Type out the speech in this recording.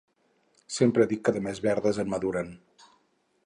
Sempre dic que de més verdes en maduren